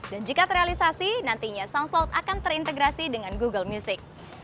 dan jika terrealisasi nantinya soundcloud akan terintegrasi dengan google music